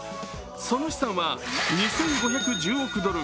その資産は２５１０億ドル